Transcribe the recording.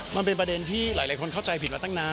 มันเป็นประเด็นที่หลายคนเข้าใจผิดมาตั้งนาน